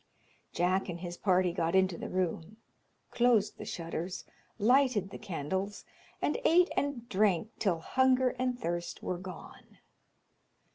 Jack and his party got into the room, closed the shutters, lighted the candles, and ate and drank till hunger and thirst were gone.